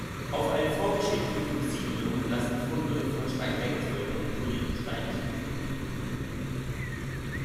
Auf eine vorgeschichtliche Besiedlung lassen Funde von Steinwerkzeugen und polierten Steinen schließen.